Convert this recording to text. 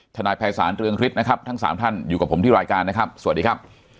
นายภัยศาลเรืองฤทธิ์นะครับทั้งสามท่านอยู่กับผมที่รายการนะครับสวัสดีครับ